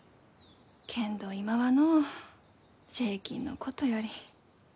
けんど今はのう税金のことより。